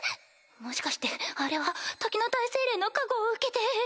もしかしてあれは時の大精霊の加護を受けて。